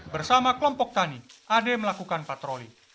bersama kelompok tani ade melakukan patroli